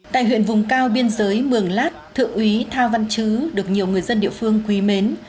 tại huyện vùng cao biên giới mường lát thượng úy thao văn chứ được nhiều người dân địa phương quý mến